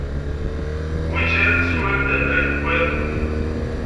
Wi tt-ilan tsiwant ay tewwid?